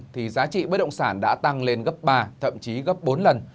thì giá trị bất động sản đã tăng lên gấp ba thậm chí gấp bốn lần